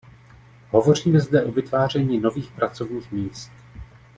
Hovoříme zde o vytváření nových pracovních míst.